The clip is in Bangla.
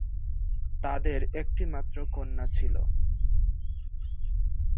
তাঁদের একটি মাত্র কন্যা ছিল।